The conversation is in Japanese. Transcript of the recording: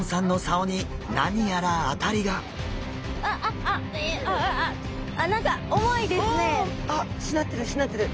おお！あっしなってるしなってる。